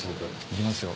いきますよ？